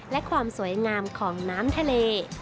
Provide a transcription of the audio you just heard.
และความสวยงามของน้ำทะเล